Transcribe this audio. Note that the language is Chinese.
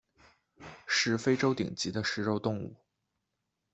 是非洲顶级的食肉动物。